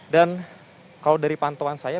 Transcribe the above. dan kalau dari pantauan saya